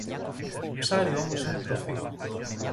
Το ψάρι όμως είναι τροφή